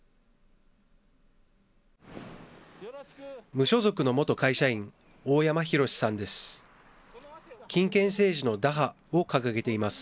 無所属の元会社員、大山宏さんです。